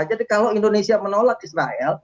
jadi kalau indonesia menolak israel